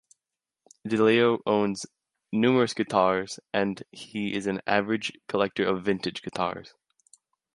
DeLeo owns numerous guitars, and he is an avid collector of vintage guitars.